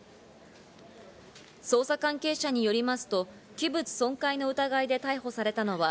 捜査関係者によりますと器物損壊の疑いで逮捕されたのは、